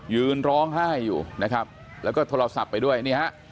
ยืนร้องไห้อยู่นะครับแล้วก็โทรศัพท์ไปด้วยนี่ฮะ